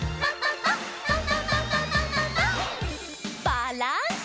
バランス。